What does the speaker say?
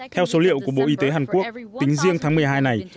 theo số liệu của bộ y tế hàn quốc tính riêng tháng một mươi hai này